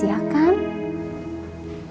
menyalahi kodrat katanya